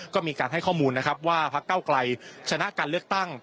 ก็มีการให้ข้อมูลนะครับว่าพักเก้าไกลชนะการเลือกตั้ง